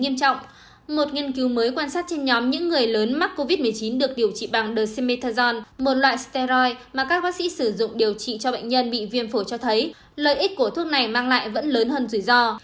một nghiên cứu mới quan sát trên nhóm những người lớn mắc covid một mươi chín được điều trị bằng dexamethasone một loại steroid mà các bác sĩ sử dụng điều trị cho bệnh nhân bị viêm phổ cho thấy lợi ích của thuốc này mang lại vẫn lớn hơn rủi ro